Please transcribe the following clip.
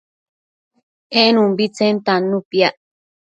en umbitsen tannu piac